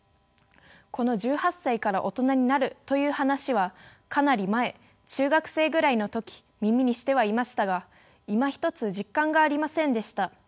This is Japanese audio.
この１８歳から大人になるという話はかなり前中学生ぐらいの時耳にしてはいましたがいまひとつ実感がありませんでした。